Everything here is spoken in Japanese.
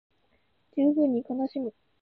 十分に悲しむ